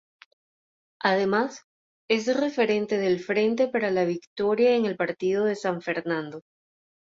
Además, es referente del Frente para la Victoria en el partido de San Fernando.